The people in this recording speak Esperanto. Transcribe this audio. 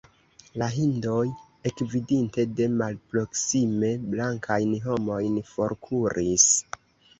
La hindoj, ekvidinte de malproksime blankajn homojn, forkuris.